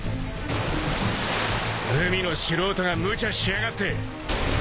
海の素人が無茶しやがって。